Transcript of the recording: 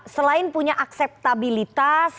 selain punya akseptabilitas